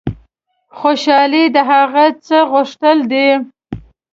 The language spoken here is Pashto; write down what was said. خوشحالي د هغه څه غوښتل دي.